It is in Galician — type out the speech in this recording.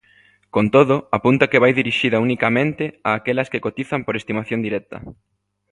Con todo, apunta que vai dirixida unicamente a aquelas que cotizan por estimación directa.